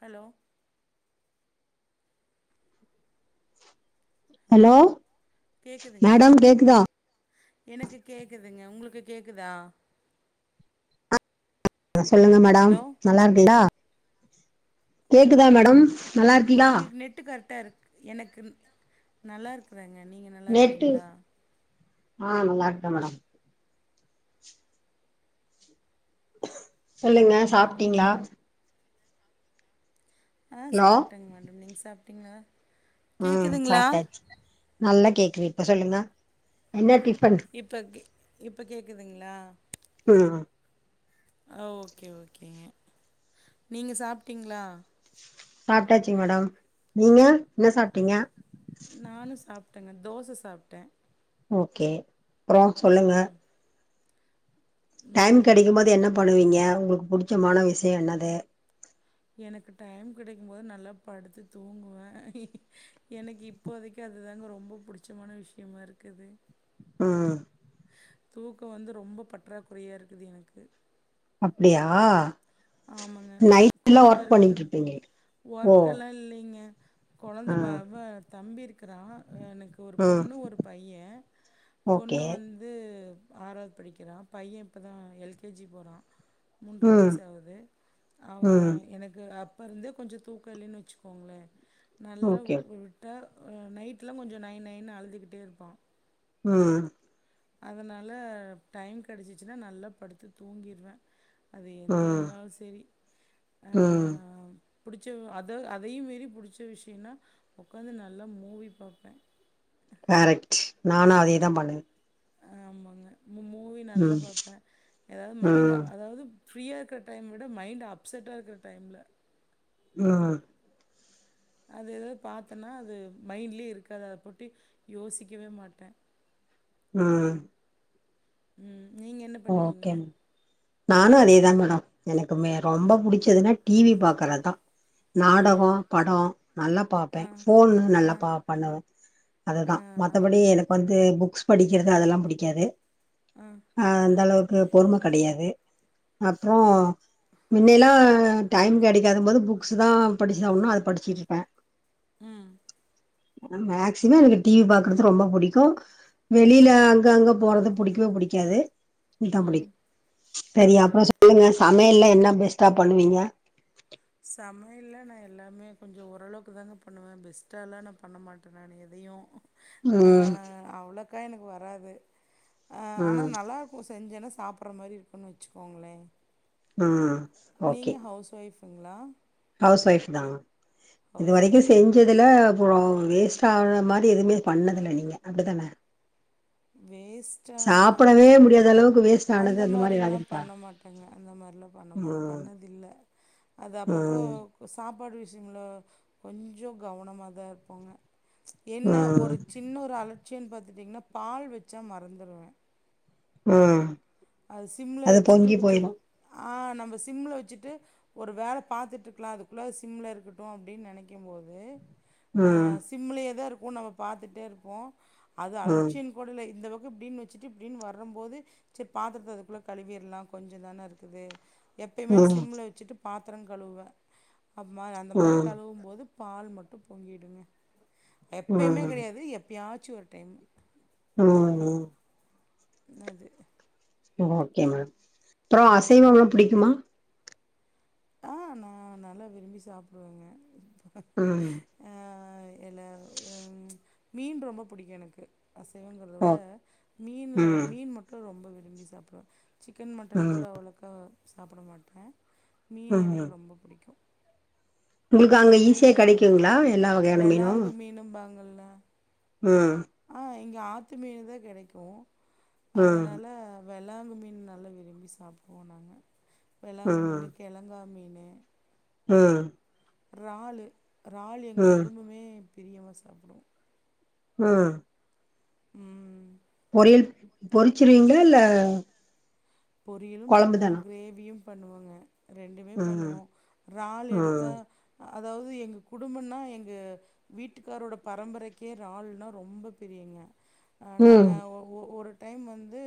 hello hello கேக்குதுங்களா madam கேக்குதா எனக்கு கேக்குதுங்க உங்களுக்கு கேக்குதா சொல்லுங்க மேடம் ஹலோ நல்லா இருக்கிங்களா கேக்குதா மேடம் நல்லா உங்க இருக்கீங்களா உங்களுக் நெட்டு கரெக்டா இருக்கு எனக்கு நல்லாருக்கறேங்க நீங்க நெட்டு நல்லாருக்கீங்களா ஆ நல்லா இருக்க மேடம் சொல்லுங்க சாப்ட்டீங்களா ஆ ஹலோ சாப்ட்டேங் மேடம் நீங் சாப்ட்டீங்களா ம் கேக்குதுங்களா சாப்ட்டாச்சு நல்லா கேக்கு இப்ப சொல்லுங்க என்ன டிஃப்பன் இப்ப கேக் இப்ப கேக்குதுங்களா ம் அ ஓகே ஓகேங்க நீங்க சாப்ட்டீங்களா சாப்ட்டாச்சுங் மேடம் நீங்க என்ன சாப்ட்டீங்க நானு சாப்ட்டங்க தோச சாப்ட்டே ஓகே அப்பறோ சொல்லுங்க டைம் கெடைக்கும்போது ம் என்ன பண்ணுவீங்க உங்களுக்கு புடிச்சமான விஷ்ய என்னது எனக்கு டைம் கிடைக்கும்போது நல்லா படுத்து தூங்குவே எனக்கு இப் இப்போதைக்கு அது தாங்க ரொம்போ புடிச்சமான விஷயமா இருக்குது ம் தூக்கோ வந்து ரொம்ப பற்றாக்குறையா இருக்குது எனக்கு அப்படியா ஆமாங்க கொழந்த இருக்குது இருப்பீங்க ஓ ஒர்க்க எல்லா இல்லைங்க கொழந்த ஆ வ வ தம்பி இருக்கிறா எனக்கு ஒரு ம் பொண்ணு ஒரு பைய ஓகே பொண்ணு வந்து ஆறாவ்து படிக்கிறா பைய இப்பதா எல் கே ஜி போறா ம் வே அவ ம் எனக்கு அப்ப இருந்தே கொஞ்ச தூக்க இல்லன்னு வச்சுக்கோங்களே நல்லா ஓகே உ உட்டா நைட்டலா கொஞ்ச நைன் நைன்னு அழுதுக்கிட்டே இருப்பா ம் அதனால டைம் கிடச்சிச்சுன்னா நல்லா படுத்து தூங்கிர்வே அது எங்க ம் இருந்தாலு செரி ஆ ம் புடிச்ச அத அதையு மீறி புடிச்ச விஷயன்னா உக்காந்து நல்லா மூவி பாப்பே கரெக்ட்டு நானு அதே தா பண்ணுவே ஆமாங்க மு மூவி நல்லா ம் பாப்பே எதாவ் மைண்ட்டு ம் அதாவது ஃப்ரீயா இருக்கிற டைம் விட மைண்ட் அப்செட்டா இருக்கிற டைம்ல ம் அது எதாவது பாத்தேன்னா அது மைண்ட்லியே இருக்காது அத பொட்டி யோசிக்கவே மாட்டே ஆ ம் நீங்க என்ன பண்ணுவீங்க ஓகே நானு அதேதாங் மேடோ எனக்கு மே ஆ ரொம்ப புடி ச்சதுனா டி வி பாக்கறதா ஆ நாடகோ படோ நல்லா பாப்பே ஆ ஃபோன் ஆ நல்லா பா பண்ணுவே அதுதா ஆ மத்தபடி எனக் வந்து புக்ஸ் படிக்கிறது அதெல்லா புடிக்காது அ அ அந்த அளவுக்கு பொறும கடையாது அப்றோ முன்னேலா டைம் கெடைக்காத போது புக்ஸ் தா படிச்சாவனு அத படிச்சுட்டுருப்போ ம் மேக்சிமம் எனக் டி வி பாக்குறது ரொம்ப புடிக்கு வெளில அங்கங்க போறது புடிக்கவே புடிக்காது இந்தா ம் புடிக் சேரி அப்றோ சூப்பர் சொல்லுங்க சமையல்லா என்ன பெஸ்ட்டா பண்ணுவீங்க சமையல்லா நா எல்லாமே கொஞ்சொ ஓரளவுக்கு தாங்க பண்ணுவே பெஸ்ட்டாலா நா பண்ண மாட்டே நான் எதையு ஆ ம் அவ்வளோக்கா எனக்கு வராது அ ஆனா ம் நல்லா இரு க்கு செஞ்சென்னா சாப்புட்ற மாரி இருக்குன்னு வச்சுக்கோங்களே ம் ம் ஓகே நீங்க ஹவுஸ் ஒய்ஃபுங்ளா ஹவுஸ் ஒய்ஃப் தா இது ஹவுஸ் வரைக்கு ஒய்ஃபுங்களா செஞ்சதுல அப்போம் வேஸ்ட் ஆகுற மாதி எதுவுமே பண்ணதில்ல நீங்க அப்டி தானே வேஸ் ஸ்ட்டான மாரி சாப்பிடவே முடியாத அளவுக்கு வேஸ்ட் ஆனது அந்த மாரி மாரில்லா ஏதாவது இருக்கா பண்ண மாட்டேங்க அந்த மார்லா சோ அந்த மாரி ம் பண்ணதுல்ல அது அப்பப்போ ம் ப்போ சாப்பாடு விஷயம்ல கொஞ்சொ கவனமாதா இருப்போங்க என்ன ஒரு ம் சின்ன ஒரு அலட்சியொன் பாத்துட்டிங்ன்னா பால் வச்சா மறந்துருவே ம் அது சிம்ல அது வச்சுட்டு பொங்கி க சரி போயிரு ஆ நம்ம சிம்ல வச்சுட்டு ஒரு வேல பாத்துட்டு இருக்கலா அதுக்குள்ள சிம்ல இருக்கட்டு அப்டின் நெனைக்கும் போது ஆ ம் சிம்லேதா இருக்கு நம்ம பாத்துட்டே இருப்போ அது ம் அலட்சியின் போடல இந்தளவுக்கு இப்டின்னு வச்சுட்டு இப்டின்னு வரம்போது சரி பாத்தரத்த அதுக்குள்ளே கழுவியறலா கொஞ்சொ தானே இருக்குது எப்போயுமே ம் சிம்ல வச்சுட்டு பாத்தரோங் கழுவே அப்ம அந்த மாரி ம் கழுவும்போது பால் மட்டு பொங்கிடுங்க எப்பைமே ம் கெடையாது எப்பயாச்சு ஒரு டைம் [unintelligible] என்னது ஓகே மேடம் அப்றோ அது அசைவொல்லா புடிக்குமா ஆ நா நல்லா விரும்பி சாப்புடுவேங்க ம் ம் ஆ இல்ல எம் மீன் ரொம்ப புடிக்கு எனக்கு அசைவங்குறத ஓ விட மீன்ல ம் மீன் மட்டு ரொம்ப விரும்பி சாப்டுவே சிக்கன் மட்டன் ம் கூட அவ்வளோக்கா சாப்ட மாட்டே மீன் ம் எனக்கு ரொம்ப புடிக்கு உங்களுக்கு அங்க மீன்லயே ஈஸியா இந்த கெடைக்குங்களா எல்லா வகையான மீனு வெளாங்கு மீனும்பாங்கல்ல ம் ஆ இங்கே ஆத்து மீன் தா கெடைக்கு ம் அதனால வெளாங்கு மீன் நல்லா விரும்பி சாப்புடுவோ நாங்க வெளாங்கு ம் மீன் கெழங்கா மீன் ம் றால் றால் எங்க ம் குடும்பமே பிரியமா சாப்டுவோ ம் ம் பொறெல் பொறிச்சிருவீங்ளா இல்ல பொரியலும் கொழம்பு பண்ணுவோ தானா கிரேவியும் பண்ணுவோங்க ரெண்டுமே ம் பண்ணுவோ றால் எடுத்தா ம் அதாவ்து எங்க குடும்பன்னா எங்க வீட்டுக்காரோட பரம்பரைக்கே றால்னா ரொம்ப பிரியங்க அ நாங்க ம் ஒ ஒ ஒரு டைம் வந்து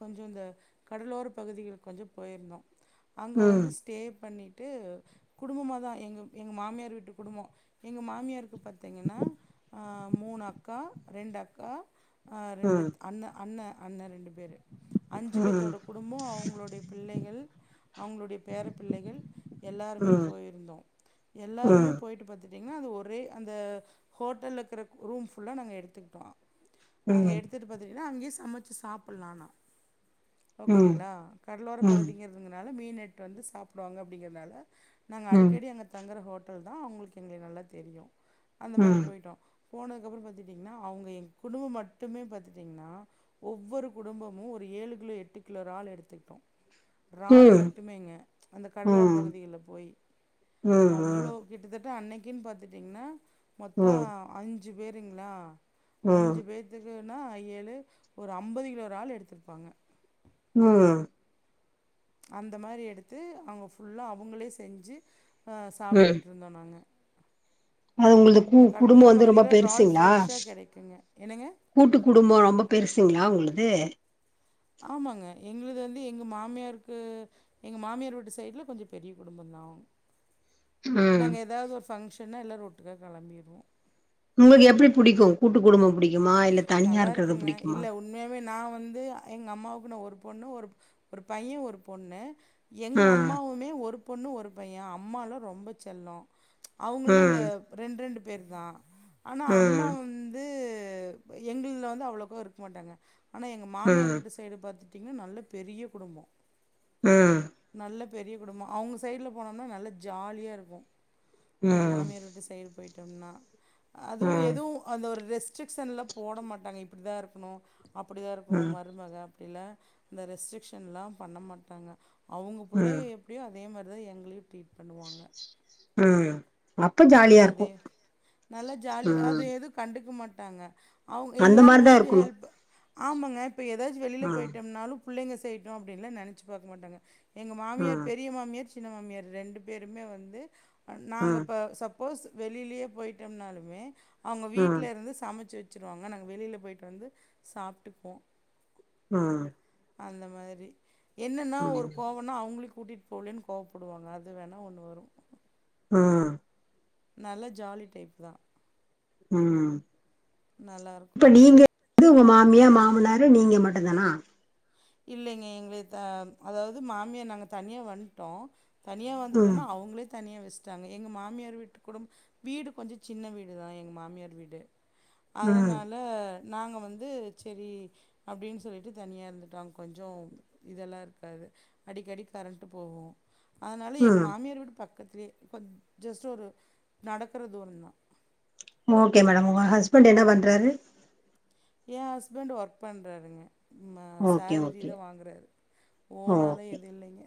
கொஞ்சோ இந்த கடலோர பகுதிகளுக் கொஞ்சோ போயிருந்தோ அங்க ம் வந்துஸ் ஸ்டே பண்ணிட்டு குடும்பமா தா எங்க எங்க மாமியார் வீட்டு குடும்போ எங்க மாமியார்ருக்கு பாத்தீங்கன்னா அ மூணு அக்கா ரெண்டு அக்கா அ ரெண்டு ம் அண்ண அண்ண அண்ண ரெண்டு பேரு அஞ்சு ம் பேத்தோட குடும்போ அவுங்களுடைய பிள்ளைகள் அவுங்களுடைய பேர பிள்ளைகள் எல்லாருமே ம் போயிருந்தோ எல்லாருமே ம் போயிட்டு பாத் துட்டிங்னா அது ஒரே அந்த ஹோட்டல இருக்கற ரூம் ஃபுல்லா நாங்க எடுத்துக்கிட்டோ ம் அங்க ம் எடுத்துட்டு பாத்திட்டீங்ன்னா அங்கேயே சமச்சு சாப்பட்லா ஆனா ம் ஓகேங்களா கடலோர ம் பகுதிங்கிறதுங்கனால மீன் எட்டு வந்து சாப்புடுவாங்க அப்டிங்கிறனால நாங்க ம் ம் அடிக்கடி அங்க தங்கற ஹோட்டல் தா அவுங்களுக்கு எங்களுக்கு நல்லா தெரியு அந்த மாரி போயிட்டோ போனதுக்கப்புறோ பாத்துட்டிங்ன்னா அவுங்க எ குடும்பம் மட்டுமே பாத்துட்டிங்ன்னா ஒவ்வொரு குடும்பமு ஒரு ஏழு கிலோ எட்டு கிலோ இறால் எடுத்துக்கிட்டோ ம் இறால் ம் மட்டுமேங்க அந்த கடலோர ம் பகுதிகளில்ல போய் அவ்ளோ கிட்டத்தட்ட அன்னைக்குன் பாத்துட்டீங்கன்னா மொத்தோ ம் அஞ்சு பேருங்ளா ம் அஞ்சு பேத்துக்குன்னா ஏழு ஒரு அம்பது கிலோ ஒரு இறால் எடுத்திருப்பாங்க அ அந்த மாரி எடுத்து அங்க ஃபுல்லா அவுங்களே செஞ்சு அ ம் சாப்ட்டுட்ருந்தோ நாங்க அது உங்களுது அந்த கடலோர பகுதிகள்ள இறால் ஃப்ரெஷ்ஷா கெடைக்குங்க என்னங்க கூட்டு குடும்போ ரொம்ப பெருசுங்களா உங்களுது ஆமாங்க எங்களுது வந்து எங்க மாமியாருக்கு எங்க மாமியார் வீட்டு சைடுல கொஞ்சோ பெரிய குடும்பந்தா ம் நாங்க ஏதாவது ஒரு ஃபங்க்ஷன்னா எல்லாரு ஒட்டுக்கா கெளம்பிருவோ உங்களுக்கு எப்டி பிடிக்கு கூட்டு குடும்பம் புடிக்குமா இல்ல தனியா இருக்கத புடிக்குமா உண்மயாவே நா வந்து எங்க அம்மாவுக்கு ந ஒரு பொண்ணு ஒரு ஒரு பையன் ஒரு பொண்ணு எங்க ம் அம்மாவுமே ஒரு பொண்ணு ஒரு பைய அம்மால ரொம்ப செல்லோ அவுங்களுமே இந்த ம் ரெண்டு ரெண்டு பேர் தா ஆனா அம்மா ம் வந்து எங்கள்துல வந்து அவ்ளோக்கா இருக்க மாட்டாங்க ஆனா எங்க மாமியார் ம் விட்டு சைடு பாத்துட்டீங்கன்னா நல்ல பெரிய குடும்போ ம் நல்ல பெரிய குடும்போ அவுங்க சைட்ல போனோம்னா நல்ல ஜாலியா இருக்கு எங்க ம் மாமியார் வீட்டு சைடு போயிட்டோம்னா அதுவு ம் எதுவு அந்த ஒரு ரெஸ்ட்ரிக்ஷன்ல போட மாட்டாங்க இப்புடி தா இருக்கணு அப்படிதா இருக்கணு ம் மருமக அப்படிலா இந்த ரெஸ்ட்ரிக்ஷன்ல்லா பண்ண மாட்டாங்க அவுங்க ம் புள்ளய எப்டியோ தா அதே மார்தா எங்களயு ட்ரீட் பண்ணுவாங்க ம் அப்ப ஜா அதே நல்லா ஜாலி அது ம் எது கண்டுக்க மாட்டாங்க அவுங் அந்த எங்களால மாரிதா முடிஞ்ச இருக்கணு ஹெல்ப் ஆமாங்க இப்ப ஏதாச்சு வெளியில ம் போயிட்டம்னாலு புள்ளைங்க செய்ட்டு அப்டின்வா நெனச்சு பாக்க மாட்டாங்க எங்க ம் மாமியார் பெரிய மாமியார் சின்ன மாமியார் ரெண்டு பேருமே வந்து நாங்க ம் இப்ப சப் போஸ் வெளிலயே போயிட்டோம்னாலுமே அவுங்க ம் வீட்லருந்து சமச்சு வச் வச்சிருவாங்க நாங்க வெளில போய்ட்டு வந்து சாப்ட்டுப்போ ம் அந்த மாரி என்னன்னா ஒரு கோ ஒன்னா அவுங்களயு கூட்டிட்டு போலன்னு கோவப்படுவாங்க அது வேணா ஒன்னு வரு ஆ நல்ல ஜாலி டைப் தா ம் இப்ப நல்லாயிருக்கும் நீங்க இது உங்க மாமியா மாமனாரு நீங்க மட்டு தானா இல்லங்க எங்கள்த அதாவது மாமியா நாங்க தனியா வன்டோ தனிய ம் வந்துட்டோம்னா அவங்களே தனியா வச்சிட்டாங்க எங்க மாமியார் வீட்டு கூடும் வீடு கொஞ்ச சின்ன வீடு தா எங்க மாமியார் வீடு ம் அதனால நாங்க செரி அப்டின்னு சொல்லிட்டு தனியா இருந் தா கொஞ்சோ இதெல்லா இருக்காது அடிக்கடி கரென்டு போவோ அனால ம் எங்க மாமியார விட பக்கத்திலே கொஞ் ஜஸ்ட் ஒரு நடக்ற தூரதா ஓகே மேடம் உங்க ஹஸ்பெண்ட் பண்றாரு ஏ ஹஸ்பண்ட் ஒர்க் பண்றாருங்க ம ஓகே சோலரி ஓகே தா வாங்குறாரு ஒனாலே ஓகே எது இல்லங்க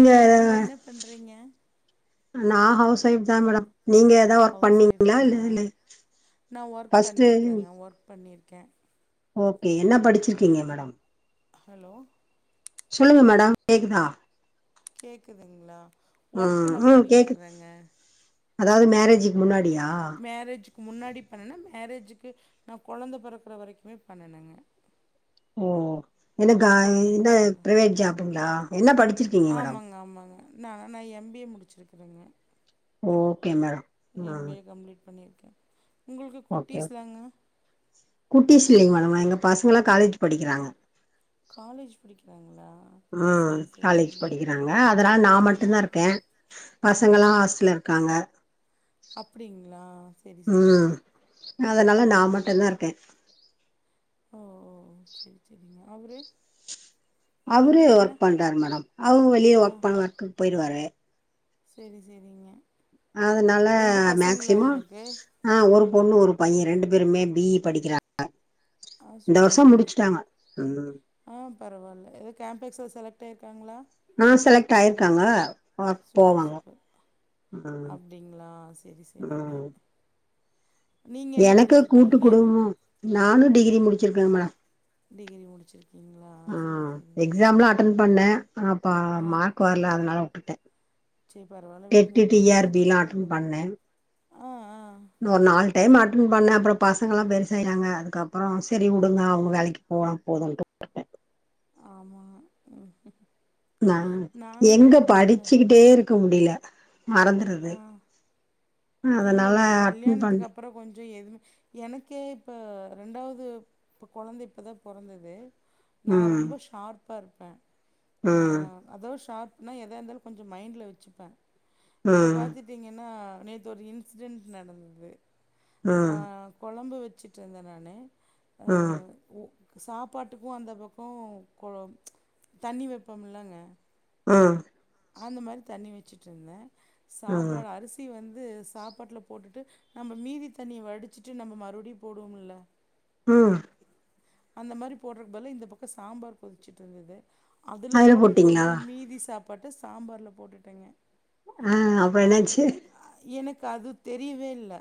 நீங்க நீங்க என்ன பண்றங்க நா ஹவுஸ் வைஃப் தா மேடம் நீங்க ஏதா ஒர்க் ஹவுஸ் பண்ணீங்களா இல்ல ஒய்ஃப்ங்ளா இல்ல நா ஒர்க் ஃபர்ஸ்ட் பண்ணிகேங்க ஒர்க் பண்ணிக்க ஓகே என்ன படிச்சிருக்கீங்க மேடம் ஹலோ சொல்லுங்க மேடம் கேக்குதா கேக்குதுங்ளா ஒர்க் ம் நா ம் கேக்குது பண்ணிக்றங்க அதாவது மேரேஜக்கு முன்னாடியா மேரேஜுக்கு முன்னாடி பண்ணோன மேரேஜுக்கு நா குழந்த பெறக்ற வரைக்குமே பண்ணனங்க ஓ என்னகா குழந்த என்ன பிறக்க பிரைவேட் ஜாப்ங்ளா என்ன படிச்சிருக்கீங்க மேடம் ஆமாங்க நானா எம்பிஏ முடிச்சிருக்றங்க ஓகே மேடம் எம் பி ம் ஏ கம்ப்ளீட் பண்ணியிருக்க உங்ளுக்கு குட்டீஸ்லாங்க குட்டி சில்லைங்க மேடம் எங்க பசங்களா காலேஜ் படிக்கிறாங்க காலேஜ் படிக்கிறாங்ளா ஆ காலேஜ் படிக்கிறாங்க அதனால நா ஆ மட்டுதா இருக்கே பசங்கலா ஹாஸ்டல இரு க்காங்க அப்டிங்ளா செரி செரிங்க ம் அதனால நா மட்டும்தா இருக்க ஓ ஓ செரி செரிங்க அவரே அவரு ஒர்க் பண்றாரு மேடம் அவர் வெளியே ஒர்க் பண்ணவர்க்கு போயிருவாரு செரி செரிங்க அதனால மேக்சிமம் உங்களுக்கு ஆ ஒரு ஒரு பைய ரெண்டு பேருமே பி ஈ படிக்கிறா அ ஆ இந்த வருஷம் சூப்பருங்க முடிச்சிட்டாங்க ம் ஆ பரவாயில்ல ஏதோ கேம்பளெக்ஸ்ல செலக்ட் ஆயிருக்காங்களா ஆ செலக்ட் ஆயிருக்காங்க போ போவாங்க ம் அப்டிங்ளா செரி செரிங்க ம் எனக்கு கூட்டு குடும்பமு நானு டிகிரி முடிச்சிருக்க மேடா டிகிரி முடிச்சிருக்கீங்களா ஆ சரி சரிங்க எக்ஸாம்லா அட்டன் பண்ண ஆ பா ஆ மார்க் போர்ல அதனால உட்டுட்ட சரி பரவால்ல விடுங்க டெட்டு டிஆர்பிலா அட்டன் பண்ண ஆ ஆ இன்னொ ஒரு நாலு டைம் அட்டன் பண்ணே அப்புறம் பசங்கள்லா பெருசாயிறாங்க அதுக்கப்புறம் சரி விடுங்க அவங்க வேலைக்கு போன போதும்ட்டு ஆமா நா எங்க க படிச்சுக்கிட்டே இருக்க முடியல மறந்துடுது ஆ அதநால இல்லைங்க அட்டென்ட் கல்யாணத்துக்கு பண்ணி அப்புறம் கொஞ்ச எதுவுமே எனக்கே இப்ப ரெண்டாவது இப்ப குழந்த இப்பதா பொறந்து நா ம் ரொம்ப ஷார்ப்பா இருப்பே ம் அதோ ஷாரப்னா எதாத இருந்தாலும் கொஞ்சம் மைண்டி வச்சுப்பே இப்போ ம் பார்த்துட்டீங்கன்னா நே இது ஒரு இன்சிடென் நடந்தது ம் குழம்பு வச்சுட்டு இருந்தே நானே ம் சாப்பாட்டுக்கும் அந்த பக்கம் கொ தண்ணி வெப்பம் இல்லங்க ம் அந்த மாதிரி தண்ணி வச்சுட்டுருந்தே ம் சாப்பாடு அரிசி வந்து சாப்பாட்டல்ல போட்டுட்டு நம்ம மீதி தண்ணிய வடிச்சுட்டு நம்ம மறுபடியும் போடுவோம்ல ம் அந்த மாதிரி போடுறதுக்கு பதிலா இந்த பக்கம் சாம்பார் கொதிச்சிட்டு இருந்தது அதில் அதுல போட்டறக்கு போட்டீங்களா பதில் மீதி சாப்பாட்டு சாம்பாரல்ல போட்டுட்டேங்க ஆ அப்பற என்னாச்சு எனக்கு அது தெரியவே இல்ல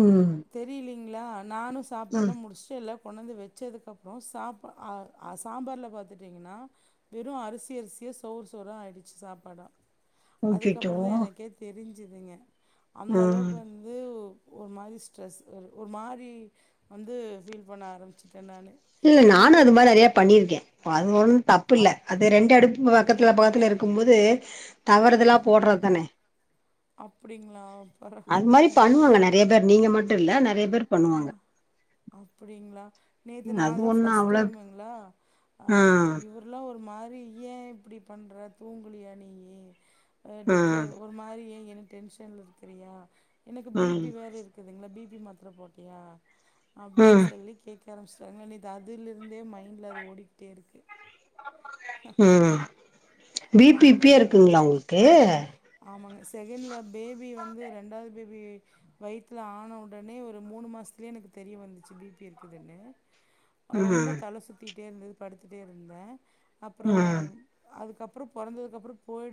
உம் தெரிலிங்களா நானு சாப்பாடுலா முடிச்சுட்டு எல்லா கொண்டாந்து வெச்சதுக்கப்புறம் சாப் ஆ சாம்பார்ல்ல பார்த்துட்டிங்கன்னா வெறும் அரிசி அரிசிய சோர் சோர ஆயிடுச்சிங்க சாப்பாட அச்சச்சோ அதுக்கப்புறம் தா எனக்கே தெரிஞ்சுதுங்க அந்த ம் அளவுக்கு வந்து ஒரு மாதிரி ஸ்ட்ரெஸ் ஒரு மாதிரி வந்து ஃபீல் பண்ண ஆரம்பிச்சுட்டேன் நானு இல்ல நானு அது மாதிரி நிறைய பண்ணிருக்கே அது ஒன்னும் தப்பு இல்ல அது ரெண்டு அடுப்பு பக்கத்துல அப்படிங்களா பக்கத்துல இருக்கும் போது தவறுதெலா போடறது தானே அப்டிங்களா பரவாயில்லங்க லேபர் நீங்க மட்டும் இல்ல நிறைய பேர் பண்ணுவாங்க அப்டிங்களா நேத்து நா அது தா ஒண்ணு ஃபர்ஸ்ட் அவ்ளோ டைமுங்களா ஆ இவ எல்லா ஒரு மாதிரி ஏன் இப்படி பண்ற தூங்குலியா நீயே ஆ டிப் ஒரு ஒரு மத்ரித் ஏ டென்ஷன் இருக்கிறியா எனக்கு பி பி ம் வேற இருக்குதுங்களா பி பி மாத்திர போட் டியா அப்டின்னு ம் சொல்லி கேக் கேக்க ஆரம்பிச்சிடாங்கலா அதுலருந்தே மைண்டல அது ஓடிகிட்டே இருக்கு உம் பி பி அந்த இப்பவே மாரிண்ண இருக்குங்களா உங்களுக்கு ஆமாங்க செகண்ட்ல பேபி வந்து ரெண்டாவது பேபி வையத்துல ஆன உடனே ஒரு மூணு மாசத்துலயே எனக்கு தெரிய வந்துச்சு பி பி இருக்குதுன்னு ரொம்ப ம் தல சுத்திட்டே இருந்தது படுத்துட்டே இருந்த அப்புறம் ம் அதுக்கப் அப்புறம் பொறந்ததுக்கப்புறம் போயிட்